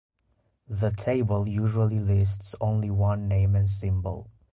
The table usually lists only one name and symbol.